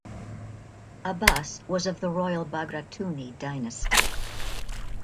Abas was of the royal Bagratuni Dynasty.